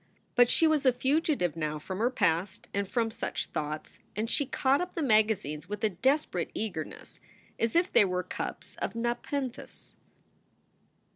But she was a fugitive now from her past and from such thoughts, and she caught up the magazines with a desperate eagerness, as if they were cups of nepenthe.